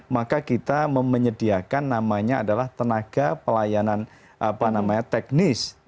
maka kita menyediakan namanya adalah tenaga pelayanan teknis